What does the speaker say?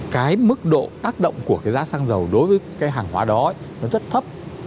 cái mức độ tác động của cái giá xăng dầu đối với cái hàng hóa đó nó rất thấp